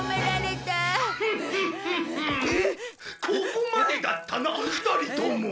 「ここまでだったな２人とも」